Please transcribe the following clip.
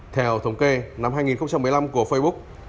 theo thống kê năm hai nghìn một mươi năm của facebook